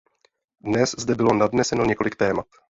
Dnes zde bylo nadneseno několik témat.